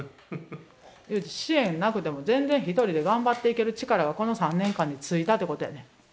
ゆうじ支援なくても全然１人で頑張っていける力がこの３年間でついたってことやねん。